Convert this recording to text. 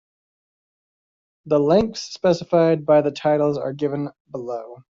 The lengths specified by the titles are given below.